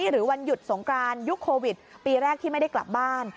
วันหยุดสงกรานยุคโควิดปีแรกที่ไม่ได้กลับบ้าน